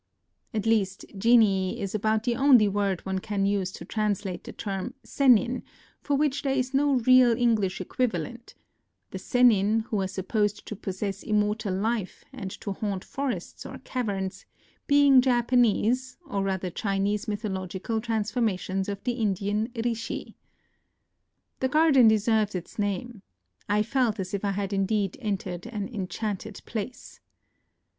(At least "genii" is about the only word one can use to translate the term " Sennin," for which there is no real English equivalent ; the Sennin, who are sup posed to possess immortal life, and to haunt forests or caverns, being Japanese, or rather Chinese mythological transformations of the Indian Rishi.) The garden deserves its name. I felt as if I had indeed entered an enchanted place.